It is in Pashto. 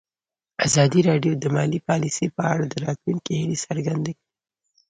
ازادي راډیو د مالي پالیسي په اړه د راتلونکي هیلې څرګندې کړې.